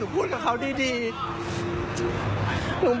ดูคลิปกันก่อนนะครับแล้วเดี๋ยวมาเล่าให้ฟังนะครับ